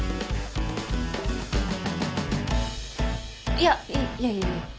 いやいやいやいや。